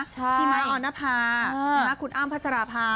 พี่ม้าออนภาม้าคุณอ้ำพัชรภา